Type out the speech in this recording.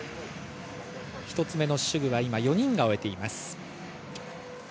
１つ目の手具は４人を終えています。